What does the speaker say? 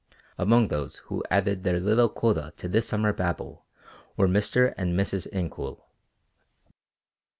Among those who added their little quota to this summer Babel were Mr. and Mrs. Incoul.